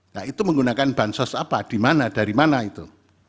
nah itu menggunakan bahan sos apa dimana dari mana itu